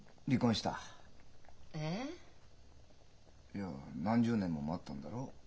いや何十年も待ったんだろ？